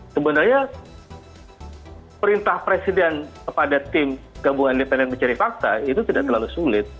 sebenarnya perintah presiden kepada tim gabungan independen mencari fakta itu tidak terlalu sulit